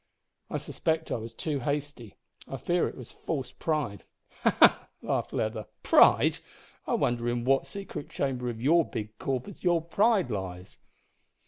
I suspect I was too hasty. I fear it was false pride " "Ha! ha!" laughed Leather; "`pride!' I wonder in what secret chamber of your big corpus your pride lies."